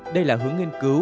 đây là hướng nghiên cứu